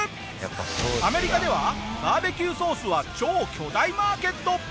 アメリカではバーベキューソースは超巨大マーケット。